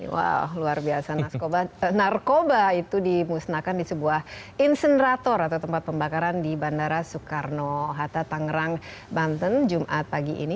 wow luar biasa narkoba itu dimusnahkan di sebuah insenerator atau tempat pembakaran di bandara soekarno hatta tangerang banten jumat pagi ini